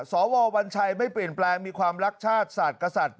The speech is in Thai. สววัญชัยไม่เปลี่ยนแปลงมีความรักชาติศาสตร์กษัตริย์